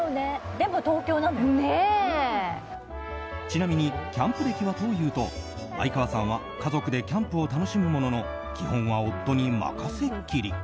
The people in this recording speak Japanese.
ちなみにキャンプ歴はというと相川さんは家族でキャンプを楽しむものの基本は夫にまかせっきり。